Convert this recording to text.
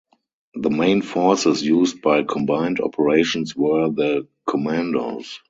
The main forces used by Combined Operations were the Commandos.